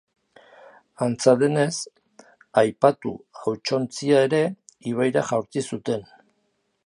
Antza denez, aipatu hautsontzia ere ibaira jaurti zuten.